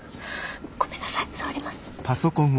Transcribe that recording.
ごめんなさい触ります。